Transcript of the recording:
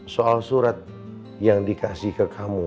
soal surat yang dikasih ke kamu